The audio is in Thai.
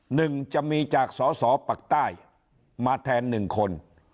หนึ่งจะมีจากสอสอปักใต้มาแทนหนึ่งคน